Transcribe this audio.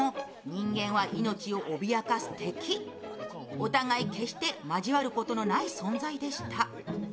お互い、決して交わることのない存在でした。